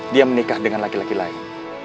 dia menikah dengan laki laki lain